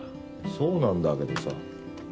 そうなんだけどさ。